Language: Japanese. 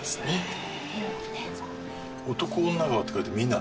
男女川って書いて「みな」？